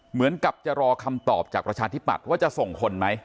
เหมือนกับจะรอคำตอบจากประชาธิปัตย์ว่าจะส่งคนไหม